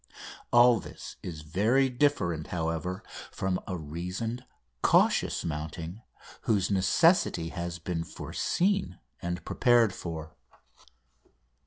All this is very different, however, from a reasoned, cautious mounting, whose necessity has been foreseen and prepared for.